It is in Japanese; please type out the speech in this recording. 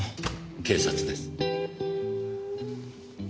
警察です。